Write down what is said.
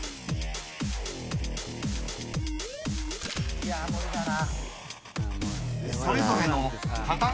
いや無理だな。